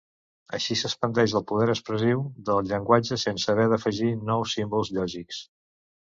Així s'expandeix el poder expressiu del llenguatge sense haver d'afegir nous símbols lògics.